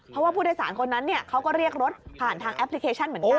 เพราะว่าผู้โดยสารคนนั้นเขาก็เรียกรถผ่านทางแอปพลิเคชันเหมือนกัน